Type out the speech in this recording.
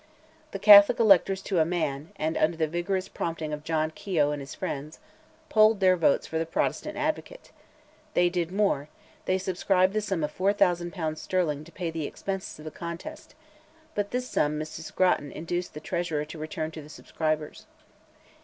The Catholic electors to a man, under the vigorous prompting of John Keogh and his friends, polled their votes for their Protestant advocate; they did more, they subscribed the sum of 4,000 pounds sterling to pay the expenses of the contest, but this sum Mrs. Grattan induced the treasurer to return to the subscribers.